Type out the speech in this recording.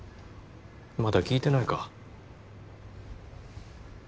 まだ聞いてないか？